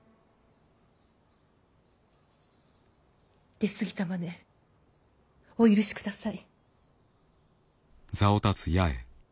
出過ぎたまねお許しください。